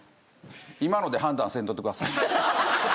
今ので判断せんとってくださいね。